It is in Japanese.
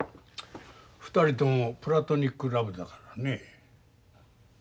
２人ともプラトニックラブだからね。